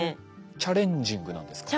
チャレンジングなんですか？